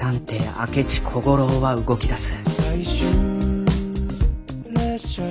明智小五郎は動き出す。